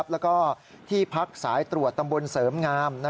แล้วก็ที่พักสายตรวจตำบลเสริมงาม